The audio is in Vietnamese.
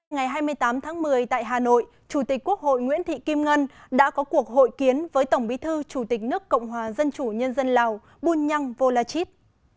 ngày hai mươi tám tháng một mươi tại hà nội chủ tịch quốc hội nguyễn thị kim ngân đã có cuộc hội kiến với tổng bí thư chủ tịch nước cộng hòa dân chủ nhân dân lào bunyang volachit